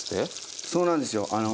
そうなんですよ。